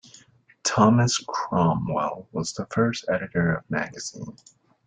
Thomas Cromwell was the first editor of magazine.